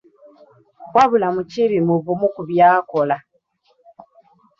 Wabula Mukiibi muvumu mu by’akola!